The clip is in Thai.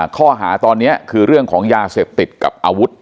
ข้อหาตอนนี้คือเรื่องของยาเสพติดกับอาวุธ